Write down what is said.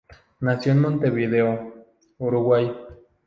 Nació en Montevideo, Uruguay.